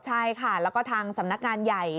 ใช่ค่ะแล้วก็ทางสำนักงานใหญ่